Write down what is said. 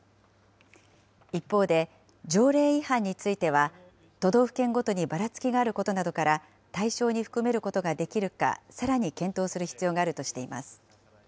一方で、条例違反については、都道府県ごとにばらつきがあることから、対象に含めることができるか、さらに検討する必要があるとしています。